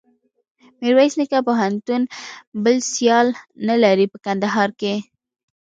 میرویس نیکه پوهنتون بل سیال نلري په کندهار کښي.